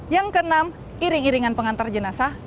yang keenam iring iringan pengantar jenazah